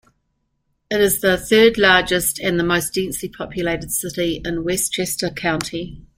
It is the third-largest and the most densely populated city in Westchester County.